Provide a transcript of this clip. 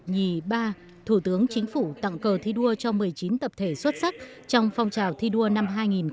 nhì ba thủ tướng chính phủ tặng cờ thi đua cho một mươi chín tập thể xuất sắc trong phong trào thi đua năm hai nghìn một mươi chín